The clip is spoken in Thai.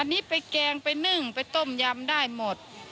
อันนี้ไปแกงไปนึ่งไปต้มยำได้หมด